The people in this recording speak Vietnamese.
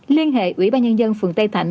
liên hệ ủy ba nhân dân phường tây thạnh